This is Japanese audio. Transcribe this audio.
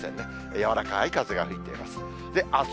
柔らかい風が吹いています。